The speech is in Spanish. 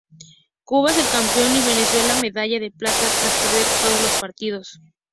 Cuba es el campeón... y Venezuela medalla de Plata tras perder todos los partidos